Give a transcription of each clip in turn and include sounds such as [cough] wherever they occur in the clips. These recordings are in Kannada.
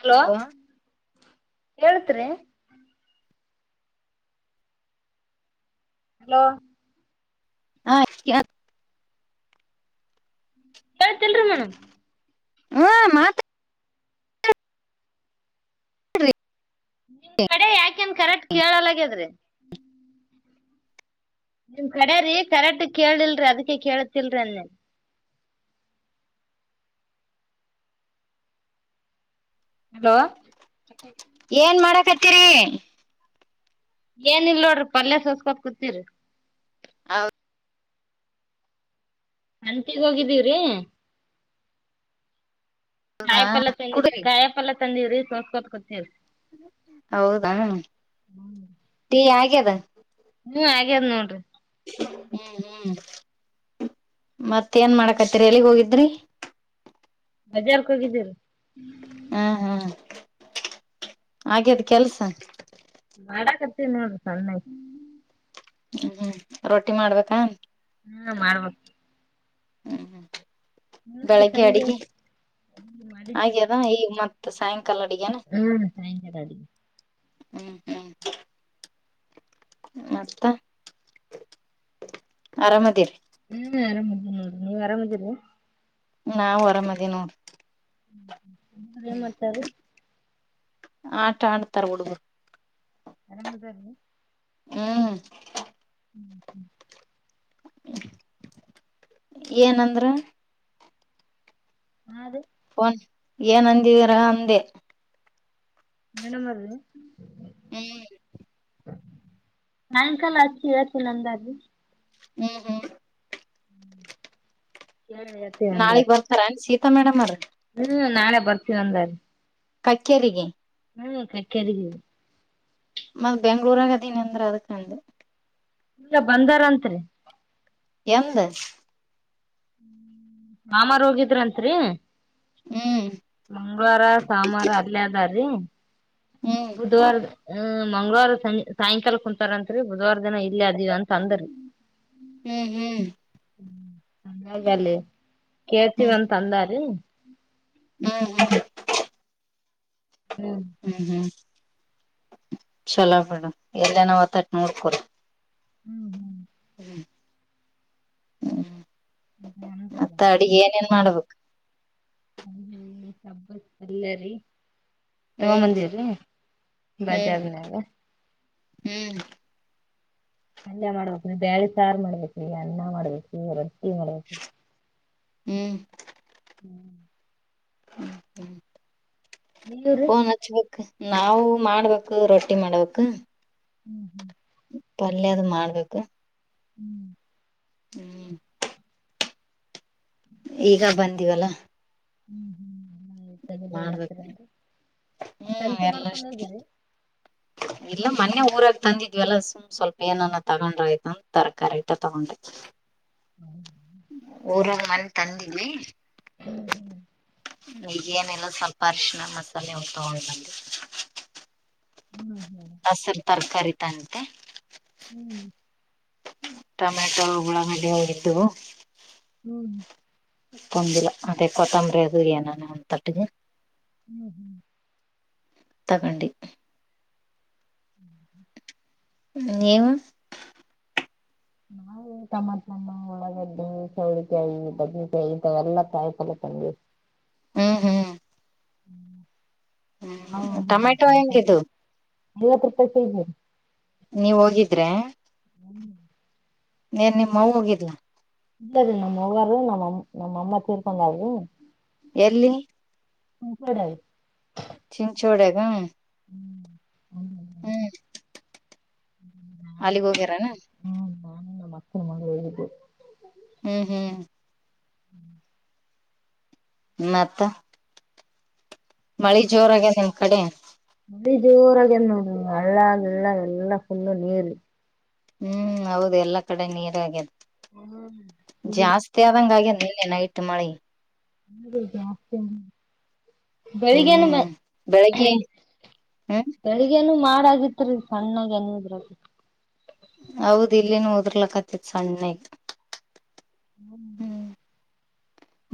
ಹಲೋ ಹೇತ್ ಹಲೋ ಹಾ ಹ್ತಿಲ್ರೀ ಮೇಮ್ ಹ್ಮ ಮಾತ್ರ ನಿಮ ಕಡೆ ಯಾಕೆನ್ ಕರೆಕ್ಟ್ ಕೇಳಲಗ್ಯದ್ರಿ ನಿಮ್ ಕಡೆ ರೀ ಕರೆಕ್ಟ್ ಕೇಳಿಲ್ರರಿ ಅದಕ್ಕೆ ಕೇಳತಿಲ್ರಿ ಅಂದೇನ್ ಹಲೋ ಏನ್ ಮಾಡಕ ಹತ್ತೀರಿ ಏನ ಇಲ್ ನೋಡ್ರಿ ಪಲ್ಯ ಸೋಸ್ಕೋಕ್ ಕುೂತೀರಿ ಹೌದು ಅಂಟಿಗ್ ಹೋಗಿದ್ದೀವ್ರೀ ಹೌದಾ ಕಾಯ ಪಲ್ಲ ತಂದಿ ಕುಡ್ರಿ ಕಾಯ ಪಲ್ಲ ತಂದೀವ್ರಿ ಸೋಸ್ಕೋತ್ ಕೊತವ್ರಿ ಹೌದಾೀ ಹಾಗೆದ ಹ ಹಾಗ್ಯದ್ ನೋಡ್ರಿ ಹ್ಮ್ ಹ್ಮ್ ಮತ್ತ ಏನ್ ಮಾಡಕತ್ತೀರಿ ಎಲ್ಲಿಗ್ ಹೋಗಿದ್ರಿ ಬಜಾರ್ಕ್ ಹೋಗಿದ್ದೀರಿ ಹ್ಮ್ ಹ್ಮ್ ಹಾಗೇದ ಕೆಲ್ಸ ಮಾಡಕ್ತ್ತೀ ನೋಡ್ರಿ ಸಣ್ಣೆ ಹ್ಮ ಹ್ಮ್ ರೊಟ್ಟಿ ಮಾಡ್ಬೇಕಾ ಹ್ಮ್ ಮಾಡ್ಬು ಹ್ಮ್ ಹ್ಮ್ ನೋಡ್ರಿ ಬೆಳಗ್ಗೆ ಸಂಜೆ ಅಡಿಗೆ ಮಾಡಿದ್ವಿ ಹಾಗೆ ಅದ ಈಗ ಮತ್ತ ಸಾಯಂಕಾಲ ಕಲ್ಲಡಿಿಯ ಹ್ಮ್ ಸಾಯಂಕಾಲ ಅಡಿಗೆ ಹ್ಮ್ ಹ್ಮ್ ಮತ್ತ ಆರಾಮದಿರಿ ಹ್ಮ್ ಆರಾಮದ್ಮ ನೀವ್ ಆರಾಮದಿರಿ ನಾವವು ಆರಾಮದಿ ನೋರಿ ನ್ ಮಾಡ್ತಾರೆ ಆಟ ಆಡ್ತಾರ ಹುಡ್ಬ ನಂಗದಿ ಹ್ಮ್ ಹ್ಮ್ ಹ್ಮ ಏನಂದ್ರ ಹಾ ಅದು ಫೋನ್ ಏನ್ ಅಂದಿವೀರ ಅಂದೆ ಮೇಡಮದು ಹ್ಮ್ ಸಯಂಕಾಲ ಅಚ್ಚಿ ಇತ್ತು ನಂದಾಜಿ ಹ್ಮ್ ಹ್ಮ್ ್ಮ ಹ್ಮ [inaudible] ನಾಳಗ್ ಬರ್ತಾರ ಸೀತಾ ಮೇಡಮ್ ಅವ್ರ್ ಹ್ಮ್ ನಾಳೆ ಬರ್ತೀನ ಒಂದ ಕಕ್ಕೇರಿಗೆ ಹ್ಮ ಕಕರಿಗ ಮತ್ತ ಬೆಂಗ್ಳೂರಾಗ ಅದನ ಅಂದ್ರ ಅದಕಂಡು ಈಗ ಬಂದಾರತ್ರಿ ಎಂದ ಮಾಮ ಹೋಗಿದ್ರಂತ್ರಿ ಹ್ಮ್ ಮಂಗಳವಾರ ಸೋಮವಾರ ಅದಲದಾರ್ರೀ ಹ್ಮ್ ಬುಧವಾರ ಹ ಮಂಗ್ವಾರ ಸಂ ಸಾಯಂಕಾಲ ಕುಂತಾರತ್ರಿ ಬುಧವಾರ ದಿನ ಇಲ್ಲ ಅದಿವವ ಅಂತ ಅಂದ್ರೀ ಹ್ಮ್ ಹ್ಮ್ ಹ್ಮ ಚನ್ನಾಗಲ್ಲಿ ಹ್ಮ್ ಹ್ಮ್ ಕೇಳ್ತೀವಂತ ಅಂದಾರಿ ಹ್ಮ್ ಹ ಹ್ಮ್ [inaudible] ಹ್ಮ್ ಹ್ಮ್ ಚಲೋ ಬೇಡ ಎಲ್ಲ ನಾವ ಒತಟ್ ನೋಡ್ಕೊರಿ ಹ್ಮ್ ಹ್ಮ್ ಹ್ಮ್ ಹ್ಮ [inaudible] ನನು ಯ ಮಾಡ್ಬೇಕು ಹ ಹಬ್ಬತ್ ಅಲ್ಲರಿ ತಗ ಹ್ಮ್ ಮಂದಿರ ಹ್ಮ್ ಬಜಾರ್ನಾಗ ಹ್ಮ್ ಅಲ್ಲಯ ಮಾಡ್ಬೇಕು ನೀ ಬೇಳೆ ತಾರ್ ಮಾಡ್ಬೇಕ್ರಿ ಅನ್ನ ಮಾಡ್ಬೇಕ್ರ ರೊಟ್ಟಿ ಮಾಡ್ಬೇಕು ಹ್ಮ ಹ್ಞೂ ನೀವ್ರಿ ಹೋನ್ ನಾವು ಮಾಡ್ಬೇಕು ರೊಟ್ಟಿ ಮಾಡ್ಬೇಕಕ್ ಹ್ಞೂ ಹ್ಞ ಪಲ್ಯದ ಮಾಡ್ಬೇಕು ಹ್ಮ್ [unintelligible] ಈಗ ಬಂದಿವಲ್ಲ ಹ್ಮ್ ಹ್ಮ್ ತಗಿಬಿಡ್ ಹತ್ತೀರ ಮಾಡ್ಬೇಕು ರಿ ಹ್ಮ್ [unintelligible] ಮಾಡ್ಕೊಂಡ್ ಎಲ್ಲ ಹೋಗಿರಿ. [unintelligible] ಇಲ್ಲ ಮೊನ್ನೇ ಊರಾಗ್ ತಂದಿದ್ವಿಲ್ಲ ಸುಮ್ ಸ್ವಲ್ಪ ಏನಾನ ತಗೊಂಡ್ರೆ ಆಯ್ತು ಅಂತ್ ತರಕಾರಿ ಅಟ್ಟ ತಗೊಂಡೆ. [unintelligible] ಊರಾಗ್ ಮನ್ನ್ ತಂದಿದ್ವಿ. ಹ್ಮ್ ಹ್ ಗ ಏನೆಲ್ಲ ಸ್ವಲ್ಪ ಅರಿಶಣ ಮಸಾಲೆ ಹೋಗ್ ತಗೊಂಡ್ ಬಂದ್ವಿ. ಹ್ಮ್ ಹ್ಮ್ ಹಸಿರ್ ತರಕಾರಿ ತಂತೆ ಹ್ಮ್ ಟೊಮೆಟೊ [unintelligible] ಹೋಗಿದ್ದು ಹ್ಮ್ ಕೊಂದಲ ಅದೇ ಕೊತ್ತಂಬರಿ ಅದು ಏನೋನ ಒಂದ್ ತಟ್ಟಿಗೆ ಹ್ಮ್ ಹ್ಮ್ ತಗಂಡಿ ಊ ಹ್ಮ್ ನೀವು? ನಾವು ಟಮಾಟನ ಉಳ್ಳಾಗಡ್ಡಿ ಚೌಳಿಕಾಯಿ ಬದನಕಾಯಿ ಇಂಥವೆಲ್ಲ ಕಾಯ್ ಪಲ್ಲೆ ತಂದ್ವಿ. ಹ್ಮ್ ಹ್ಮ್ ಹ್ಮ್ ಐವತ್ತು ಟೊಮೆಟೊ ಹೆಂಗಿದು ರೂಪಾಯಿ ಕೆ ಜಿ ರಿ ನೀವ ಹೋಗಿದ್ರ್ಯಾ ಏನ್ ನಿಮ್ ಅವ್ವ್ ಹೋಗಿದ್ಲ. ಇಲ್ಲ ರೀ ನಮ್ಮವರು ನಮ್ಮ ಅಂ ನಮ್ ಅಮ್ಮ ತೀರ್ಕೊಂಡಾರಿ ಎಲ್ಲಿ [unintelligible] ಚಿಂಚೋಡ್ಯಾಗ ಹ್ಮ್ ಹ್ಮ್ ಹ್ಮ ಹ್ಮ್ ಅಲ್ಲಿಗ್ ಹೋಗ್ಯರಾ ಹ್ಮ ನಾನು ನಮ್ ಮಕ್ಕನ ಮಗಳ್ ಹೋಗಿದ್ವಿ. ಹ್ಮ್ ಹ್ಮ್ ಹ್ಮ್ ಮತ್ತ ಮಳಿ ಜೋರ ಆಗ ನಿಮ್ ಕಡೆ. ಜೋರಾಗ್ಯದ್ ನೋಡ್ ಹಳ್ಳ ಗಿಳ್ಳ ಎಲ್ಲ ಎಲ್ಲಾ ಫುಲ್ ನೀರು. ಹ್ಮ್ ಹೌದು ಎಲ್ಲಾ ಕಡೆ ನೀರೆ ಅಗ್ಯದ್ ಹ್ಮ್ [unintelligible] ತ್ತೆ ಆದಂಗ್ ಆಗ್ಯದ್ ನಿನ್ನೆ ನೈಟ್ ಮಳಿ. [unintelligible] ಬೆಳಿಗೇನು ಮ ಹ್ಮ್ ಬೆಳಿಗ್ಗೆ ಅಹ್ ಹ್ಮ್ ಬೆಳಿಗ್ಗೆನು ಮಾಡಾಗಿತ್ರಿ ಸಣ್ಣಾಗಿ ಹನಿದ್ರಾಗ ಹೌದ್ ಇಲ್ಲಿನು ಓದರ್ಲಕ್ಕತ್ತಿತ್ ಸಣ್ಣ ಆಯ್ತ್ ಹ್ಮ್.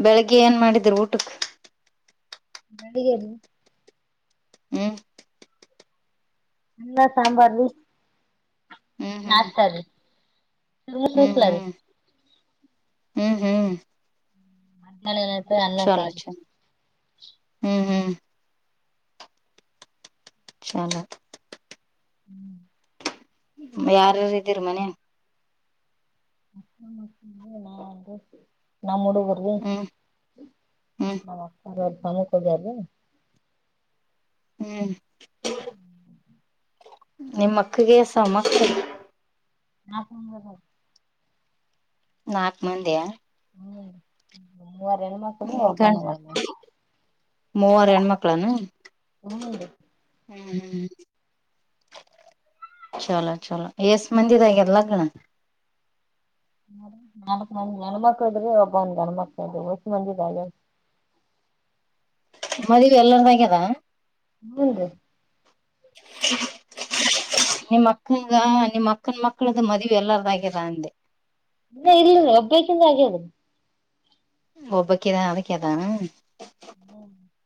ಬೆಳಿಗ್ಗೆ ಏನ್ ಮಾಡಿದ್ರ ಊಟಕ್ ನಡಗೆಲ್ಲಿ ಹ್ಮ್ ನಲ್ಲ ಸಾಂಬಾರ್ ಬ ಹ್ಮ್ ಹ್ಮ್ ನಾತರಿೀ ಹ್ಮ್ ಹ್ಮ್ ಹ್ಮ್ ಹ್ಮ್ ಕಳ ಚಲೋ ಚ ಹ್ಮ್ ಹ್ಮ್ ಚಲ ಹ್ಮ್ ಯಾರಾರ ಇದೀರಿ ಮನೆ ನ ನಾ ಮೂಡಗರುದು ಹ್ಮ್ ಹ್ಮ್ ಹಾಾಮುಕದಲ್ಲ ಹ್ಮ್ ನಿಮ್ಮಕ್ಕಗೆಸಮ್ಮಕ್ಕ ನಾ ಸಂಗ ನಾಕು ಮಂದಿಯ ಹ್ಮ್ ಮೂವರೆ ಹೆಣ್ಮಕ್ಳೆ ಹೋಗಬ ನವ ಮೂವರು ಹೆಣ್ಮಕ್ಳನು ಹ್ಮ್ ಹ್ಮ್ ಹ್ಮ್ ಚಲೋ ಚಲೋ ಎಷ್ಟ ಮಂದಿದಗ ಲಗ್ನ ನಾಲ್ಕ ನೆಣ ಮಕ್ಳದ್ರೆ ಒಬಂದ್ ಗಣ್ಮಕ್ತದು ವಯಸ್ ಮಂಜು ಹಾಗೆ ಮದ್ವಿ ಎಲ್ಲರದಾಗ್ಯದ ಹ್ಮಞ ರೀ ನಿಮ್ಮ ಅಕ್ಕನ ನಿಮ್ಮ್ ಅಕ್ಕನ ಮಕ್ಕಳ್ದ ಮದ್ೆ ಎಲ್ಲಾರದಾಗಿರ ಅಂದೆ ಇಲ್ಲ ಇಲ್ಲ ಒಬ್ಬೇಕಂದ ಆಗ್ಯಿಲ್ಲ ಒಬ್ಬಕದ ಅದಕ್ಕೆದಾನ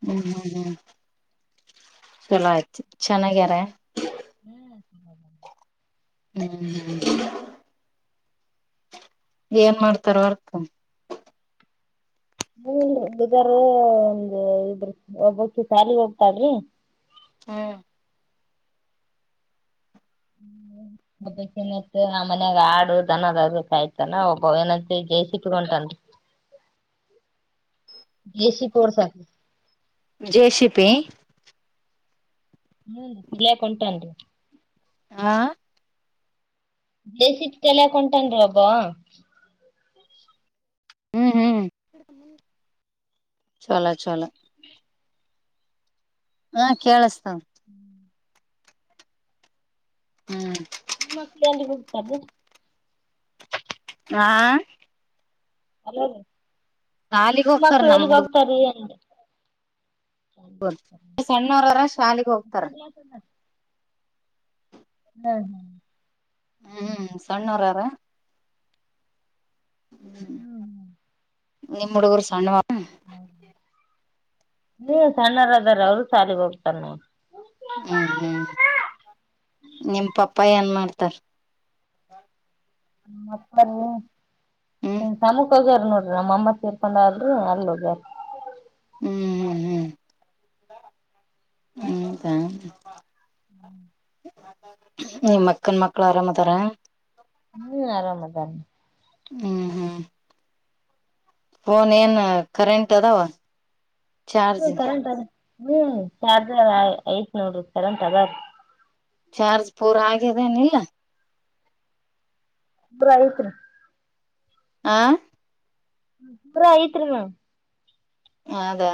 ಹ್ಮ್ ಹ್ಮ ಹ್ಮ್ ಚಲ ಆಯತಿು ಚೆನ್ನಾಗ್ಯಾರ ಹ್ಮ್ ಹ್ಮ್ ಹ್ಮ್ ಏನ್ ಮಾಡ್ತಾರ ಅರ್ತ ಹ್ಮ ಬಗಾರ ಒಂದು ಇದ್ರ ಒಬ್ಬಕ್ಕ ಶಾಲಿಗೆ ಹೋಗ್ತಳ್ರಿ ಹಾ ಹ್ಮ್ ಒಬ್ಬ ಏನತ್ ಆ ಮನ್ಯಾಗ ಆಡು ದನದಾದ ಕಾಯ್ತಾನ ಒಬ್ಬ ಏನ ಜೇಸಟ್ಕೊಟನ್ ದಸಿ ಪೋರ್ಸ ಜೆಸಿಪಿ ಹ್ಮ ಇಲ್ಲಯ ಉಂಟನ್ರಿ ಹಾ ಬೇಸಿತ್ ತಲೆ ಕೊಂಟನ್ಿ ಒಬ್ಬ ಹ್ಮ್ ಹ್ಮ್ ಚಲೋ ಚಲ ಹಾ ಕೇಳಸ್ತಾವ ಹ್ಮ್ [unintelligible] ಹ್ಮ್ ನಿಮ್ಮಕ್ಕಳ ಎಲ್ಲಿ ಹೋಗತಲ್ಲ ಆಾ ಅಲೊ ಶಾಲಿಗ್ ನಿಮ್ ಹೋಗ್ತಾರ ಮಕ್ಳು ನಮ್ ಎಲ್ಲಿಗ್ ಹೋಗ್ತಾರ್ರಿ ಅನ್ದ್ ಸಣ್ಣೊರರ ಶಾಲಿಗ್ ಹೋಗ್ತಾರ [unintelligible] [unintelligible] ಹ್ಮು ಸಣ್ಣೂರರ ಹ್ಮ್ ಹ್ಮು ನಮ್ ಹುಡುಗ್ರು ಸಣ್ಣವ ಹ್ಮು ನೀವ್ ಸಣ್ಣರ ಅದಾರ ಅವರು ಸಾಲಿಗೆ ಹೋಗ್ತಾರೆನ ಹ್ಮ್ ಹ್ಮ್ ನಿಮ್ ಪಪ್ಪ ಏನ್ ಮಾಡ್ತಾರ್ ಅಪ್ಪ ಹ್ಮ್ ನತಮ್ಮುಖ ಹೋಗ್ಯಾರ್ ನೋಡ್ರಿ ನಮ್ಮಮ್ಮ ತೀರ್ಕೊಂಡ ಆಳ್ರಿ ಅಲ್ಲಿ ಹೋಗ್ಯರ್ ಹ್ಮ್ ಹ್ಮ್ ಹ್ಮ್ ಹ್ಮು [unintelligible] ನಿಮ್ ಅಕ್ಕನ್ ಮಕ್ಳು ಆರಾಮ ಅದಾರ ಹ್ಮು ಆರಾಮದರ ಹ್ಮ್ ಹ್ಮು ಫೋನ್ ಏನು ಕರೆಂಟ್ ಅದಾವ ಹ್ಮ ಚಾರ್ಜ್ ಕರೆಂಟ್ ಅದ ಹ್ಮು ಚಾರ್ಜರ್ ಐತ್ ನೋಡ್ರಿ ಕರೆಂಟ್ ಅದಾದ ಚಾರ್ಜ್ ಪೂರಾ ಆಗ್ಯದೇನ್ಲೆ ಪ್ರಾವಿಕ್ರು ಆ ಪುರೊಹಿತ್ರು ಮೆ ಅದಾ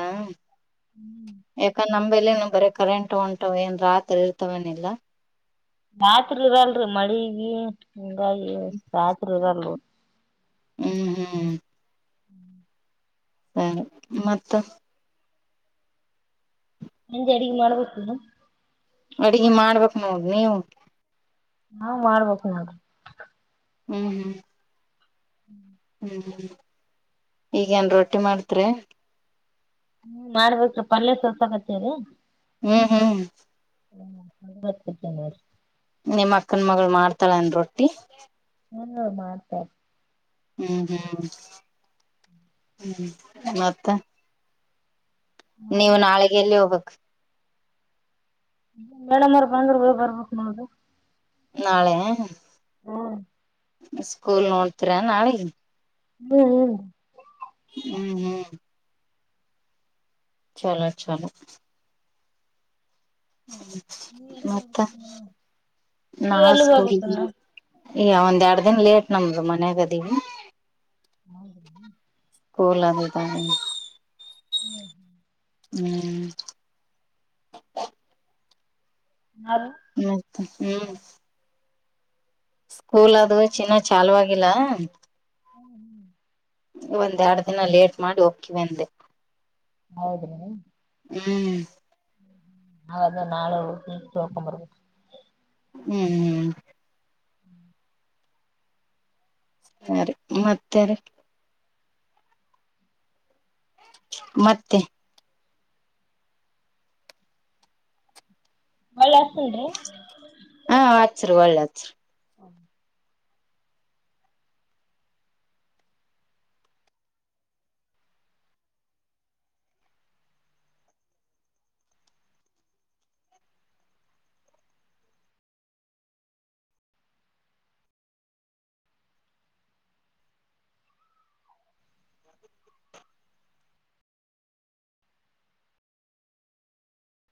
ಯಕ ನಂಬ್ಲಿಲ್ಲ ನಾವ್ ಬರುಕ್ಕುಲಂತ ಹೊಂಟವೆ ಏನ್ ರಾತ್ರಿ ಇರ್ತವನಿಲ್ಲಾ ರಾತ್ರಿ ಇರಲ್ರಿ ಮಳಿಗಿ ಹಂಗಾಗಿ ರಾತ್ರಿ ಇರಲ್ರಿ ಹ್ಮ್ ಹ್ಮು [inaudible] ಹ್ಂ ಮತ್ತೆ ಸಂಜೆ ಅಡುಗೆ ಮಾಡ್ಬೇಕ್ಕಿಲ್ಲ ಅಡ್ಗೆ ಮಾಡ್ಬೇಕ್ ನೋಡ್ ಬೆ ನಾವ್ ಮಾಡ್ಬೇಕ್ ನೋಡ್ರಿ ಹ್ಮು ಹ್ಮು ಹ್ಮು [unintelligible] ಹ್ಮು ಹ್ಮು ಈಗ ಏನ್ ರೊಟ್ಟಿ ಮಾಡ್ತಿ ರ್ಯ ಹ್ಮು ಮಾಡ್ಬೇಕು ಪಲ್ಯ ಸ್ವಲ್ಪ ಸ್ವಲ್ಪ ಗಟ್ಟಿ ಇದೆ ಹ್ಮು ಹ್ಮು [unintelligible] ನಮ್ಮಕ್ಕನ್ ಅಕ್ಕನ ಮಗಳು ಮಾಡ್ತಳೆ ಒಣ್ ರೊಟ್ಟಿ ನೀನೇನ್ ಮಾಡ್ತಾ [unintelligible] [unintelligible] ಮತ್ತ ನೀವು ನಾಳಿಗೆಯಲ್ಲಿ ಹೋಗ್ಬೇಕು ಮೇಡಂಮ್ಮರು ಬಂದ್ರು ಬಿ ಬಾರ್ಬೇಕ್ ನೋಡ್ರಿ ಯಾವಗರಿ ಹ್ಮು ಸ್ಕೂಲ್ ಹೋಗ್ತಿರಾ ನಾಳಿಗಿ [unintelligible] ಹ್ಮು ಹ್ಮು ಚೋನು ಚೋನು ನೀವ್ ಎಲ್ಲಿಗ್ ಮತ್ತ ಹೋಗ್ಬೇಕ್ ನೀವ್ ನಾಾವ ಎಲ್ಲಿಗ್ ಸ್ಕೂಲ್ ಹೋಗ್ಬೇಕನ್ನ ಈಗ ಒಂದ್ ಎರಡು ದಿನ ಲೇಟ್ ನಮ್ದು ಮನೆಗದೀವಿ ಹೌ ಕೂಲ ಅದುದ ಹೂ ಹೂ ಅಲಾ ಮ್ಮ್ತ ಹೂ ಕೂಲ್ ಅದು ಚಿನ್ನ ಚಲುವಾಗಿಲ್ಲ ಹೂ ಹೂ ಒಂದ್ ಎರಡ್ ದಿನ ಲೇಟ್ ಮಾಡಿ ಹೊಕ್ಕಿವಿ ಅಂದೆ ಹೋದ್ರೇನೇನು ಹೂ ಹೌದು ನಾಳೆ ಹೋಗಿ ಕೇಳ್ಕೊಂಡು ಬರ್ಬೇಕು ಹೂ ಹೂ ಹೂ ಆ ರಿ ಮತ್ತೆ ರಿ ಮತ್ತೆ ಹೋಳಿ ಹಾಕ್ಕೊಂಡ್ರಿ ಹಾ ಅಚ್ಚರಿ ಹೊಳ್ಳಿ ಅಚ್ಚ ರಿ ಹ